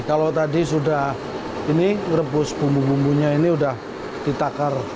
kalau tadi sudah ini rebus bumbu bumbunya ini sudah ditakar